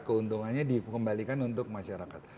keuntungannya dikembalikan untuk masyarakat